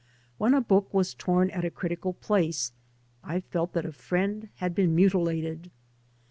When a book was torn at a critical place I felt that a friend had been mutilated.